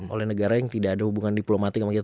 oleh negara yang tidak ada hubungan diplomatik sama kita